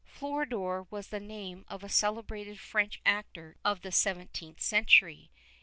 Floridor was the name of a celebrated French actor of the seventeenth century.